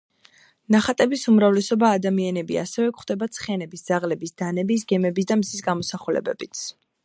ნახატების უმრავლესობა ადამიანებია, ასევე გვხვდება ცხენების, ძაღლების, დანების, გემების და მზის გამოსახულებებიც.